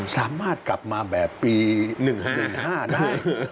สามารถกลับมาแบบปี๑๑๕ได้